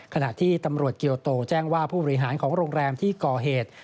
ขณะที่ตำรวจเกียวโตแจ้งว่าผู้บริหารของโรงแรมที่ก่อเหตุ